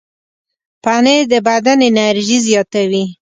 پنېر د بدن انرژي زیاتوي.